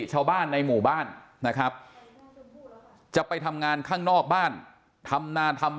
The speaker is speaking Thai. ชาวบ้านในหมู่บ้านนะครับจะไปทำงานข้างนอกบ้านทำนาทำ